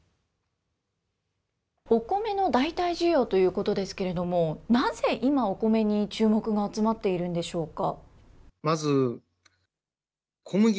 お米の代替需要ということですけれども、なぜ今、お米に注目が集まっているんでしょうか。